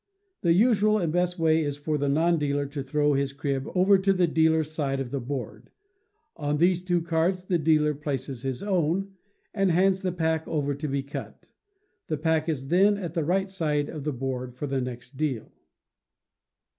The usual and best way is for the non dealer to throw his crib over to the dealer's side of the board; on these two cards the dealer places his own, and hands the pack over to be cut. The pack is then at the right side of the board for the next deal.